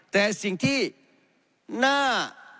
แต่สิ่งที่น่า